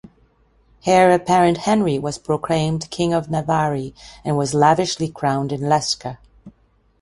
Heir apparent Henry was proclaimed King of Navarre, and was lavishly crowned in Lescar.